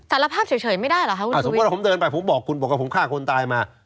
สารภาพเฉยไม่ได้เหรอคะคุณอ่าสมมุติว่าผมเดินไปผมบอกคุณบอกว่าผมฆ่าคนตายมา